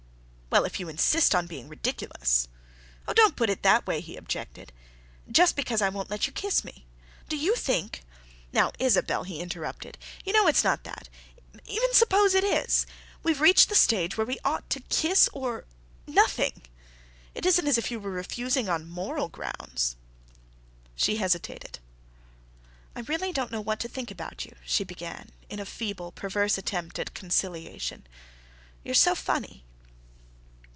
"Well, if you insist on being ridiculous—" "Oh, don't put it that way," he objected. "—just because I won't let you kiss me. Do you think—" "Now, Isabelle," he interrupted, "you know it's not that—even suppose it is. We've reached the stage where we either ought to kiss—or—or—nothing. It isn't as if you were refusing on moral grounds." She hesitated. "I really don't know what to think about you," she began, in a feeble, perverse attempt at conciliation. "You're so funny."